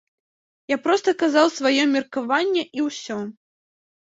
Я проста казаў сваё меркаванне і ўсё.